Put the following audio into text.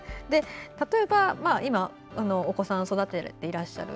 例えばお子さんを育てていらっしゃる。